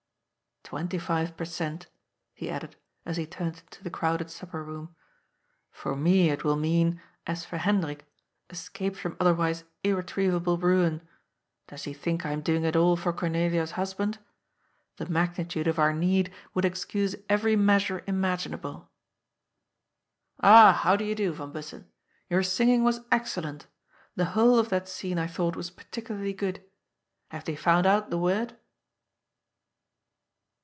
" Twenty five per cent," he added, as he turned into the crowded supper room. " For me it will mean, as for Hendrik, escape from otherwise irretrievable ruin. Does he think I am doing it all for Cornelia's husband ? The magnitude of our need would excuse every measure im aginable. — Ah, how do you do, van Bussen ? Your singing was excellent. The whole of that scene, I thought, was particularly good. Have they found out the word